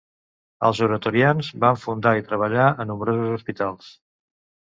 Els oratorians van fundar i treballar a nombrosos hospitals.